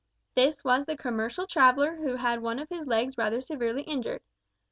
This was the commercial traveller who had one of his legs rather severely injured.